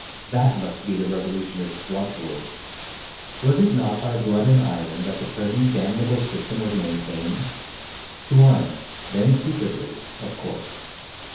that must be the revolutionists' watchword. Was it not by blood and iron that the present damnable system was maintained? To arms, then secretly, of course.